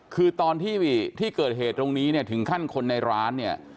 คือตอนที่เกิดเหตุตรงนี้เนี่ยถึงขั้นคนในร้านเนี่ย